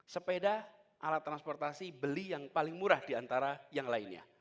sepeda alat transportasi beli yang paling murah diantara yang lainnya